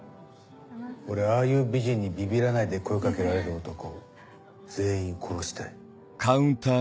俺ああいう美人にビビらないで声掛けられる男全員殺したい。